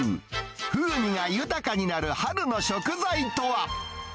風味が豊かになる春の食材とは？